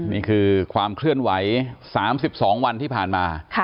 นี่คือความเคลื่อนไหว๓๒วันที่ผ่านมา